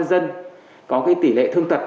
bộ ngoan còn ưu tiên xét tuyển thẳng